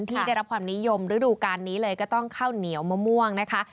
ที่ได้รับความนิยมฤดูการนี้เลยก็ต้องข้าวเหนียวมะม่วงนะคะ